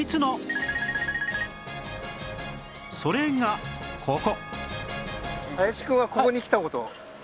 それがここ